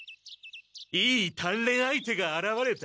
いいたんれん相手があらわれた。